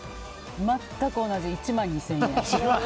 全く同じ、１万２０００円。